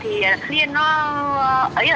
không hề biết luôn